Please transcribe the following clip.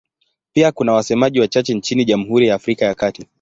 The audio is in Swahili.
Pia kuna wasemaji wachache nchini Jamhuri ya Afrika ya Kati.